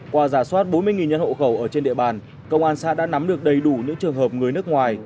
qua giả soát bốn mươi nhân hộ khẩu ở trên địa bàn công an xã đã nắm được đầy đủ những trường hợp người nước ngoài